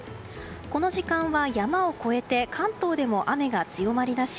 この時間は、山を越えて関東でも雨が強まりだし